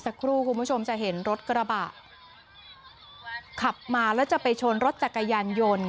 คุณผู้ชมจะเห็นรถกระบะขับมาแล้วจะไปชนรถจักรยานยนต์